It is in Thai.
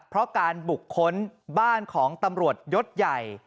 เพราะการบุกค้นบ้านของตำรวจยศใหญ่